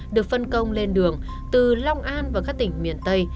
được phân công lên đường từ long an và các tỉnh miền tây